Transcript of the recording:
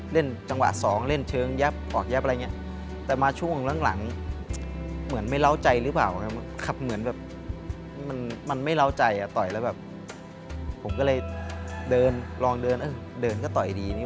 เล่นจังหวะสองเล่นเชิงยับออกยับอะไรอย่างนี้